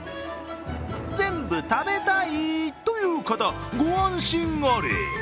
全部食べたいという方ご安心あれ。